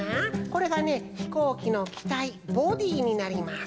これがねひこうきのきたいボディーになります。